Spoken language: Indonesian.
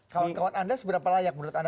kawan kawan anda seberapa layak menurut anda